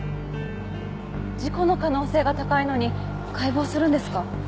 事故の可能性が高いのに解剖するんですか？